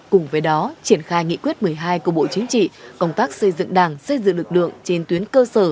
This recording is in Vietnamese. cùng với đó triển khai nghị quyết một mươi hai của bộ chính trị công tác xây dựng đảng xây dựng lực lượng trên tuyến cơ sở